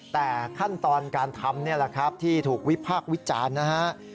แต่ขั้นตอนการทำนี่แหละครับที่ถูกวิพากษ์วิจารณ์นะฮะ